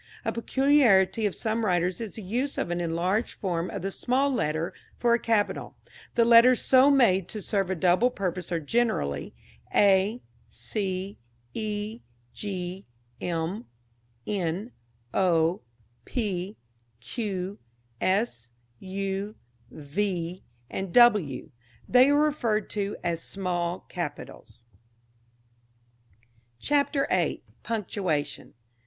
A peculiarity of some writers is the use of an enlarged form of the small letter for a capital. The letters so made to serve a double purpose are generally A, C, E, G, M, N, O, P, Q, S, U, V and W. They are referred to as small capitals. CHAPTER VIII. PUNCTUATION.